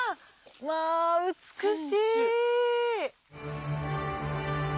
まぁ美しい。